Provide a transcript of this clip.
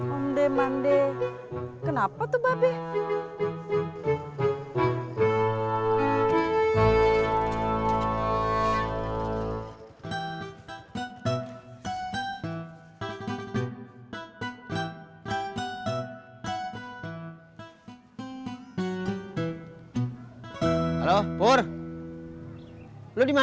ondeh mandeh kenapa tuh babi